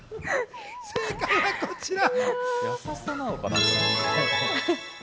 正解はこちら！